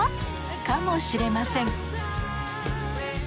かもしれません